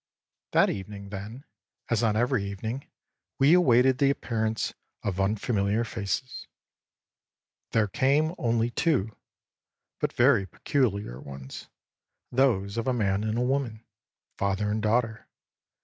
That evening, then, as on every evening, we awaited the appearance of unfamiliar faces. There came only two, but very peculiar ones, those of a man and a woman father and daughter.